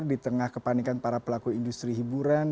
di tengah kepanikan para pelaku industri hiburan